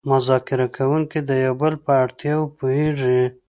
مذاکره کوونکي د یو بل په اړتیاوو پوهیږي